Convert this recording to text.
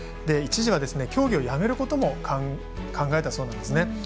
一時は競技をやめることも考えたそうなんですね。